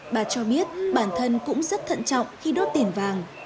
bà cho biết bản thân cũng rất thận trọng khi đốt tiền vàng